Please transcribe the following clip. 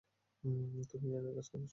তুমিও একই কাজ করেছ।